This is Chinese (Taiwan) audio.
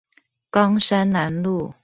岡山南路